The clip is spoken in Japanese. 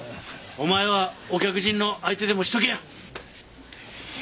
お前はお客人の相手でもしときや！